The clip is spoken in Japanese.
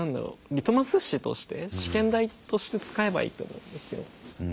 リトマス紙として試験台として使えばいいと思うんですよ。